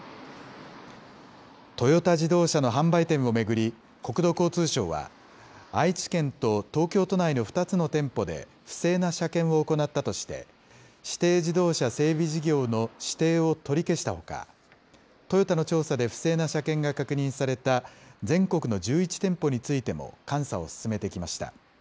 トヨタ自動車の販売店を巡り、国土交通省は、愛知県と東京都内の２つの店舗で、不正な車検を行ったとして、指定自動車整備事業の指定を取り消したほか、トヨタの調査で不正な車検が確認された、全国の１１店舗についても監査を進めてきました。